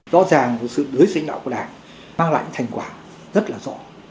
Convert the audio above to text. rõ ràng sự đối diện đạo của đảng mang lại thành quả rất là rõ